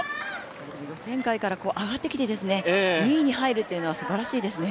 予選会から上がってきて２位に入るというのはすばらしいですね。